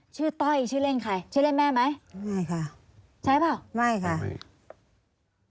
ต้อยชื่อเล่นใครชื่อเล่นแม่ไหมไม่ค่ะใช่เปล่าไม่ค่ะไม่